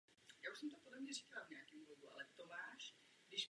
To se týká Evropské investiční banky i Evropské centrální banky.